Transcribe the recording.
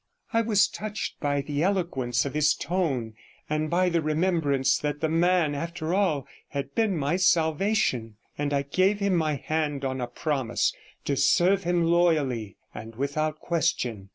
I was touched by the eloquence of his tone, and by the remembrance that the man, after all, had been my salvation, and I gave him my hand on a promise to serve him loyally and without question.